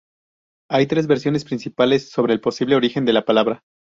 Hay tres versiones principales sobre el posible origen de la palabra.